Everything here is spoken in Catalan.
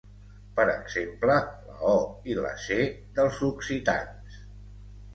Per exemple, la o i la ce dels occitans.